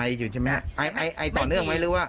อยู่ใช่ไหมฮะไอไอต่อเนื่องไหมหรือว่า